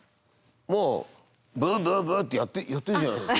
まあブブブってやってるじゃないですかね。